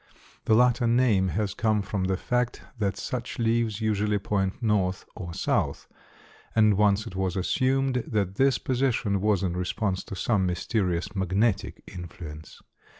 The latter name has come from the fact that such leaves usually point north or south, and once it was assumed that this position was in response to some mysterious magnetic influence.